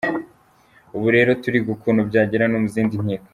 Ubu rero turiga ukuntu byagera no mu zindi nkiko.